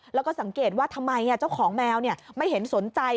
แล้วก็สังเกตว่าทำไมเจ้าของแมวไม่เห็นสนใจ